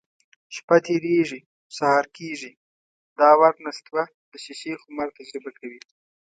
شپه تېرېږي، سهار کېږي. دا وار نستوه د شیشې خمار تجربه کوي: